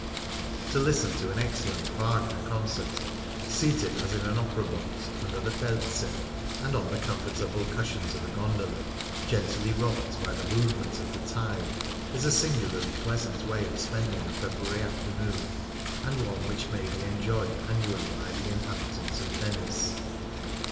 To listen to an excellent Wagner concert, seated, as in an opera box, under the felze and on the comfortable cushions of a gondola, gently rocked by the movement of the tide, is a singularly pleasant way of spending a Feb ruary afternoon, and one which may be enjoyed annually by the inhabitants of Venice.